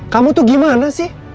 kamu tuh gimana sih